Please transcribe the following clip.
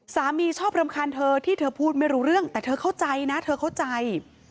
ชอบรำคาญเธอที่เธอพูดไม่รู้เรื่องแต่เธอเข้าใจนะเธอเข้าใจ